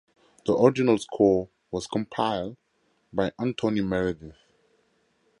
The original score was compiled by Anthony Meredith.